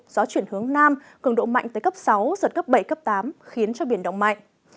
gió chuyển hướng nam cường độ mạnh tới cấp sáu giật cấp bảy cấp tám khiến cho biển động mạnh